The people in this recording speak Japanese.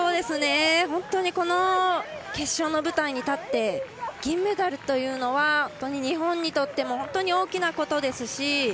本当に決勝の舞台に立って銀メダルというのは本当に日本にとっても大きなことですし。